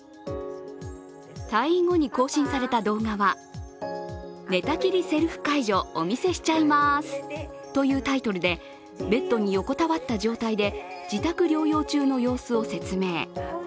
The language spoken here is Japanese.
退院後に更新された動画は「寝たきりセルフ介助お見せしちゃいまーす」というタイトルでベッドに横たわった状態で自宅療養中の様子を説明。